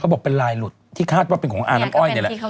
บอกเป็นลายหลุดที่คาดว่าเป็นของอาน้ำอ้อยนี่แหละ